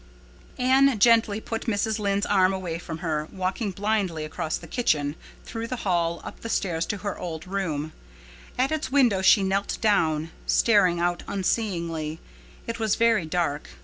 Anne gently put Mrs. Lynde's arms away from her, walked blindly across the kitchen, through the hall, up the stairs to her old room. At its window she knelt down, staring out unseeingly. It was very dark.